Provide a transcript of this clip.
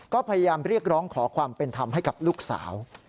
ก็พยายามเรียกร้องขอความเป็นธรรมให้กับลูกสาว